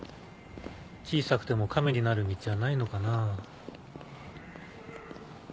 小さくてもカメになる道はないのかなぁ。